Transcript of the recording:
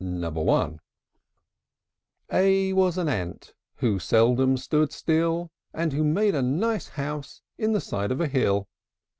A A was an ant Who seldom stood still, And who made a nice house In the side of a hill.